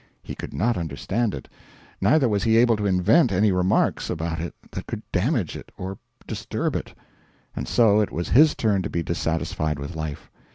He could not understand it, neither was he able to invent any remarks about it that could damage it or disturb it. And so it was his turn to be dissatisfied with life.